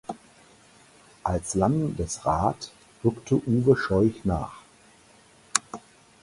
Als Landesrat rückte Uwe Scheuch nach.